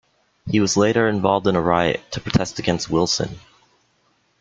He was later involved in a riot to protest against Wilson.